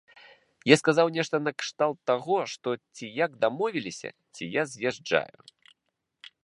Я сказаў нешта накшталт таго, што, ці як дамовіліся, ці я з'язджаю.